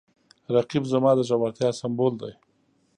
رقیب زما د زړورتیا سمبول دی